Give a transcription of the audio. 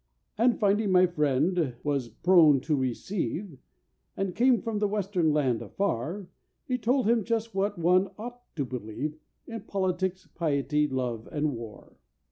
And finding my friend was "prone to receive," And came from the Western land afar, He told him just what one ought to believe In politics, piety, love, and war.